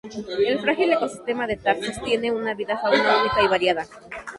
El frágil ecosistema de Thar sostiene una vida fauna única y variada.